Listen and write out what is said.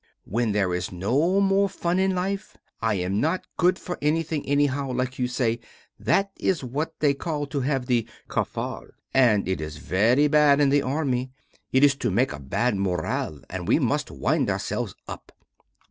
When there is no more fun in life, and I am not good for anything anyhow, like you say, that is what they call to have the "cafard." And it is very bad in the army. It is to have a bad morale and we must wind ourselves up.